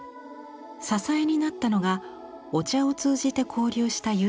支えになったのがお茶を通じて交流した友人たちです。